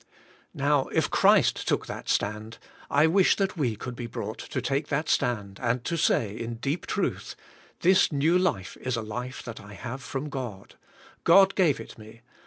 Now, if Christ took that stand, I wish that we could be brought to take that stand, and to say, in deep truth, ''This new life is a life that I have from God. God gave it me.